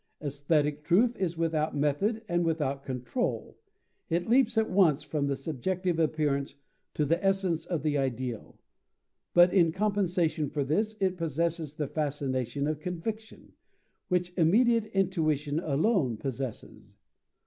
Aesthetic truth is without method and without control: it leaps at once from the subjective appearance to the essence of the ideal. But in compensation for this, it possesses the fascination of conviction, which immediate intuition alone possesses.